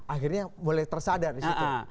akhirnya mulai tersadar disitu